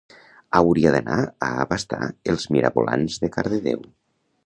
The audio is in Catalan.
Hauria d'anar a abastar els mirabolans de Cardedeu